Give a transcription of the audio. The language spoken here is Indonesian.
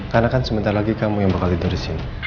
karena kan sebentar lagi kamu yang bakal tidur disini